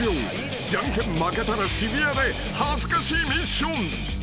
［じゃんけん負けたら渋谷で恥ずかしいミッション］